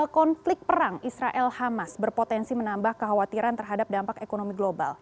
konflik perang israel hamas berpotensi menambah kekhawatiran terhadap dampak ekonomi global